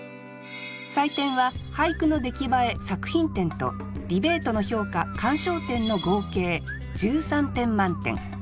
採点は俳句の出来栄え作品点とディベートの評価鑑賞点の合計１３点満点。